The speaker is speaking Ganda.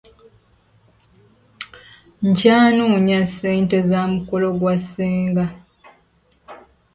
Nkya noonya ssente z'amukolo gwa ssenga.